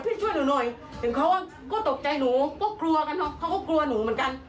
ถึงเขาก็ตกใจหนูก็กลัวกันเขาก็กลัวหนูเหมือนกัน